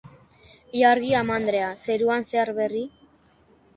Ilargi amandrea, zeruan zer berri?